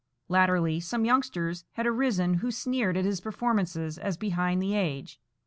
Latterly some youngsters had arisen who sneered at his performances as behind the age.